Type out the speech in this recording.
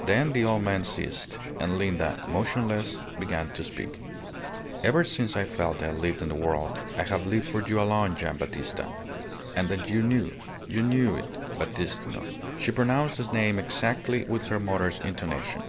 Then the old man ceased; and Linda, motionless, began to speak. "Ever since I felt I lived in the world, I have lived for you alone, Gian' Battista. And that you knew! You knew it ... Battistino." She pronounced the name exactly with her mother's intonation.